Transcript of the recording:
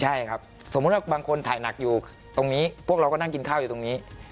ใช่ครับสมมุติว่าบางคนถ่ายหนักอยู่ตรงนี้พวกเราก็นั่งกินข้าวอยู่ตรงนี้